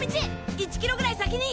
１キロぐらい先に！